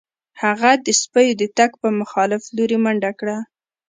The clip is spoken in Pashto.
هغه د سپیو د تګ په مخالف لوري منډه کړه